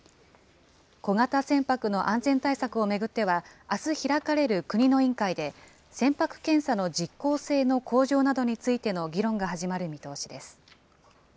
小型船舶の安全対策をめぐっては、あす開かれる国の委員会で、船舶検査の実効性の向上などについての議論が始まる見通しです。